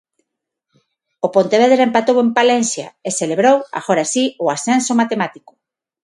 O Pontevedra empatou en Palencia e celebrou, agora si, o ascenso matemático.